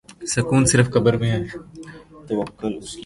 سکون صرف قبر میں ہے